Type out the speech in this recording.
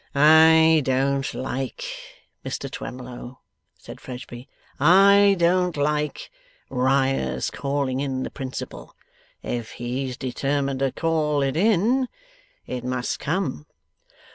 'I don't like, Mr Twemlow,' said Fledgeby, 'I don't like Riah's calling in the principal. If he's determined to call it in, it must come.